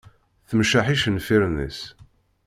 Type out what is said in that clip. Temceḥ icenfiren-is.